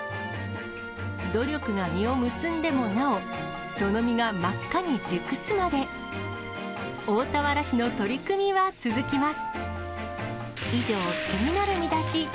努力が実を結んでもなお、その実が真っ赤に熟すまで、大田原市の取り組みは続きます。